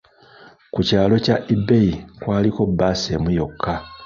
Ku kyaalo kya Ebei kwaliko bbaasi emu yokka.